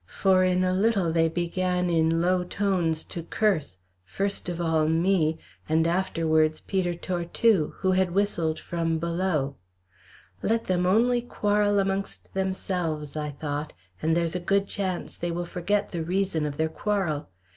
For in a little they began in low tones to curse, first of all me, and afterwards Peter Tortue, who had whistled from below. Let them only quarrel amongst themselves, I thought, and there's a good chance they will forget the reason of their quarrel.